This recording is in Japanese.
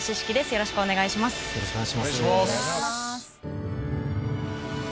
よろしくお願いします。